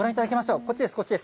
こっちです。